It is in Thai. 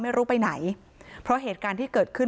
ไม่รู้ไปไหนเพราะเหตุการณ์ที่เกิดขึ้น